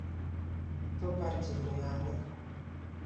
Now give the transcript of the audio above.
To bardziej lojalne